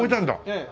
ええ。